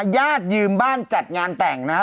ญาติยืมบ้านจัดงานแต่งนะฮะ